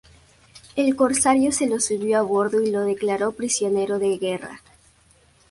El corsario se lo subió a bordo y lo declaró prisionero de guerra.